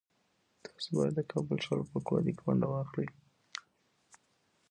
تاسو باید د کابل د ښار په پاکوالي کي ونډه واخلئ.